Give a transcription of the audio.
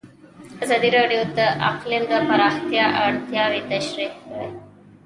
ازادي راډیو د اقلیم د پراختیا اړتیاوې تشریح کړي.